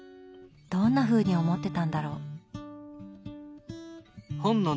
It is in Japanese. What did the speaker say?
どんなふうに思ってたんだろう？